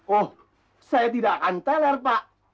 oh saya tidak akan teler pak